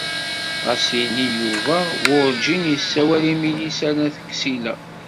Xas ini Yuba wurǧin yessawel i Milisa n At Ksila.